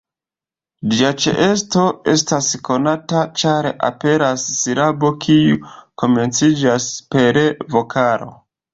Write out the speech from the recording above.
Ĝia ĉeesto estas konata ĉar aperas silabo kiu komenciĝas per vokalo.